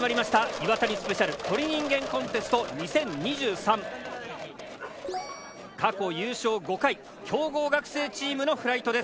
Ｉｗａｔａｎｉスペシャル鳥人間コンテ過去優勝５回強豪学生チームのフライトです。